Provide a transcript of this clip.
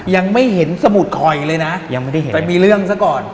ยังไม่เห็นสมุดคอยเลยนะแต่มีเรื่องซะก่อน